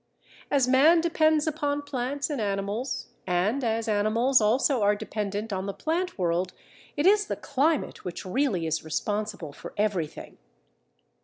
As man depends upon plants and animals, and as animals also are dependent on the plant world, it is the climate which really is responsible for everything.